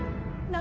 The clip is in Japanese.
何？